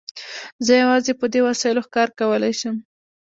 زه یوازې په دې وسایلو ښکار کولای شم.